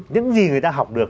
những gì người ta học được